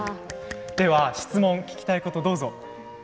質問聞きたいことをどうぞ。